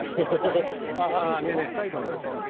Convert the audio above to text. あっねえねえ。